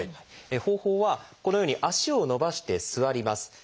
方法はこのように足を伸ばして座ります。